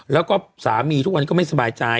แล้วก็สามีทุกวันนี้ก็ไม่สบายใจ